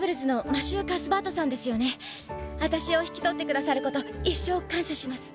あたしを引き取ってくださること一生感謝します。